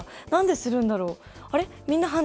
なんでするんだろう？